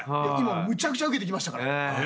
むちゃくちゃウケてきましたから。